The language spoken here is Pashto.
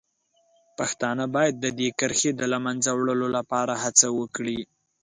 پښتانه باید د دې کرښې د له منځه وړلو لپاره هڅه وکړي.